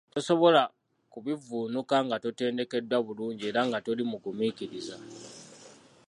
Tosobola kubivvuunuka nga totendekeddwa bulungi era nga toli mugumiikiriza.